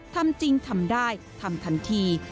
ทำจริงทำได้ทำทันที